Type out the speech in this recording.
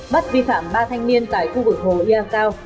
bắt vi phạm ba thanh niên tại khu vực hồ ia cao